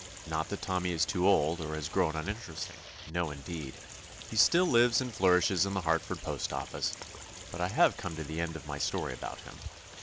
Not that Tommy is too old, or has grown uninteresting. No, indeed! He still lives and flourishes in the Hart ford postoffice, but I have come to the end of my story about him.